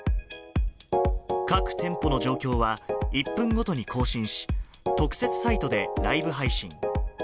各店舗の状況は、１分ごとに更新し、特設サイトでライブ配信。